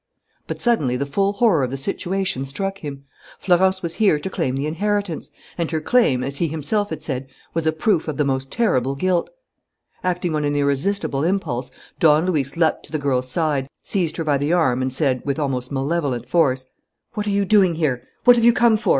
But suddenly the full horror of the situation struck him. Florence was here to claim the inheritance; and her claim, as he himself had said, was a proof of the most terrible guilt. Acting on an irresistible impulse, Don Luis leaped to the girl's side, seized her by the arm and said, with almost malevolent force: "What are you doing here? What have you come for?